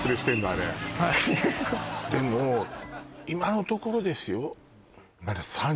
あれでも今のところですよ？